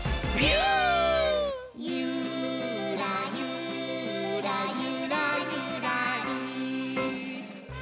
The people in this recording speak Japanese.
「ゆーらゆーらゆらゆらりー」